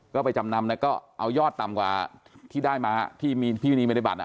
ก็ไปจำนำแล้วก็เอายอดต่ำกว่าที่ได้มาที่มีพี่นีไม่ได้บัตรนะ